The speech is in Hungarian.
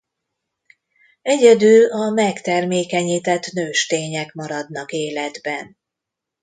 Egyedül a megtermékenyített nőstények maradnak életben.